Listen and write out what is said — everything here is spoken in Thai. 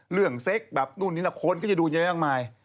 เรื่องเซ็กคนก็จะดูเยอะแย่มากมาย